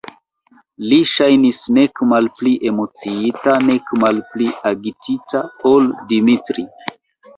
Li ŝajnis nek malpli emociita nek malpli agitita ol Dimitri.